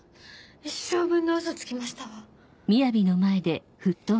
一生分のウソつきましたわ。